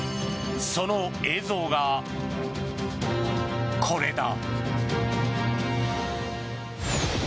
その映像がこれだ。